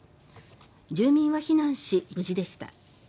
住民は避難し、無事でした。